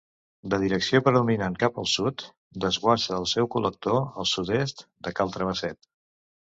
De direcció predominant cap al sud, desguassa al seu col·lector al sud-est de Cal Travesset.